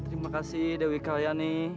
terima kasih dewi kaliani